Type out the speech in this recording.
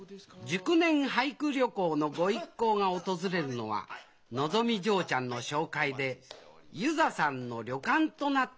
熟年俳句旅行のご一行が訪れるのはのぞみ嬢ちゃんの紹介で油座さんの旅館となったのであります